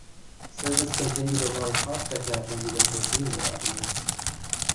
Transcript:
Service continued along Prospect Avenue until Greenwood Avenue.